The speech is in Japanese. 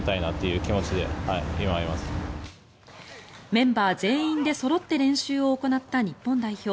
メンバー全員でそろって練習を行った日本代表。